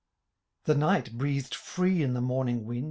The Knight breathed free in the morning wind.